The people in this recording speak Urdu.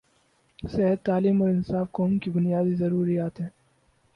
صحت، تعلیم اور انصاف قوم کی بنیادی ضروریات ہیں۔